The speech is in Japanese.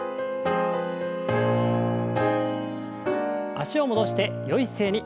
脚を戻してよい姿勢に。